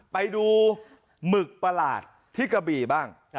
ไปดูหมึกประหลาดที่กระบี่บ้าง